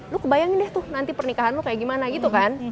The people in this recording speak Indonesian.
lu kebayangin deh tuh nanti pernikahan lo kayak gimana gitu kan